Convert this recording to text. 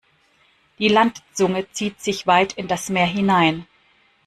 Die Landzunge zieht sich weit in das Meer hinein.